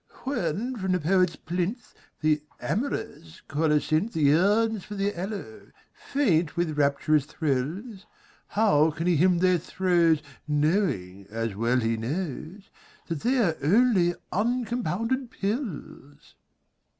When from the poet's plinth The amorous colocynth Yearns for the aloe, faint with rapturous thrills, How can he hymn their throes Knowing, as well he knows, That they are only uncompounded pills?